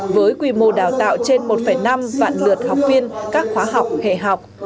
với quy mô đào tạo trên một năm vạn lượt học viên các khóa học hệ học